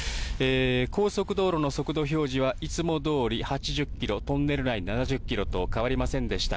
高速道路の速度表示はいつもどおり８０キロ、トンネル内７０キロと変わりませんでした。